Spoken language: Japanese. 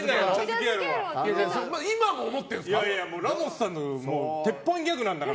今も思ってるんですか？